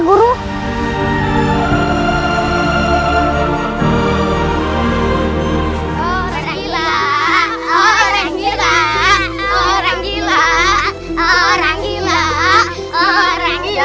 guru lihat itu guru